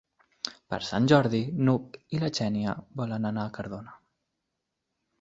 Per Sant Jordi n'Hug i na Xènia volen anar a Cardona.